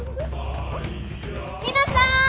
皆さん！